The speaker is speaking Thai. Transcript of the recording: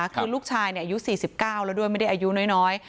คือลูกชายอายุ๔๙แล้วด้วยไม่ได้อายุน้อย